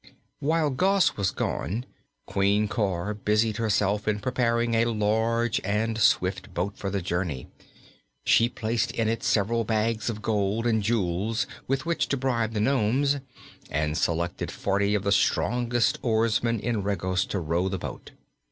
While Gos was gone, Queen Cor busied herself in preparing a large and swift boat for the journey. She placed in it several bags of gold and jewels with which to bribe the nomes, and selected forty of the strongest oarsmen in Regos to row the boat.